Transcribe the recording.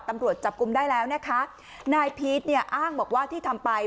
ตำรวจจับกลุ่มได้แล้วนะคะนายพีชเนี่ยอ้างบอกว่าที่ทำไป